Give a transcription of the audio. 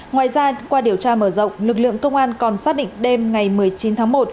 ngoài ra qua điều tra mở rộng lực lượng công an còn xác định đêm ngày một mươi chín tháng một